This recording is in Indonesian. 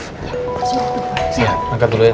ya pasang dulu ya